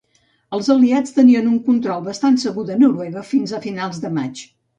Els Aliats tenien un control bastant segur a Noruega fins a finals de maig.